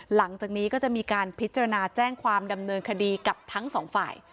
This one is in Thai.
หลังจากนี้ก็จะมีการพิจารณาแจ้งความดำเนินคดีกับทั้งสองฝ่าย